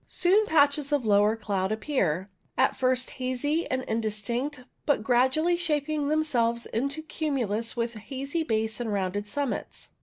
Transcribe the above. Soon patches of lower cloud appear, at first hazy and indistinct, but gradually shaping themselves into cumulus with hazy base and rounded summits.